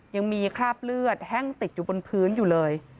ยังมีคราบเลือดแห้งติดอยู่บนพื้นอยู่เลย